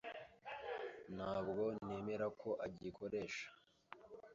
Ntabwo nemera ko agikoresha.